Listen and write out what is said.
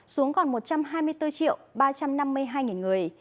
xuống còn một trăm hai mươi người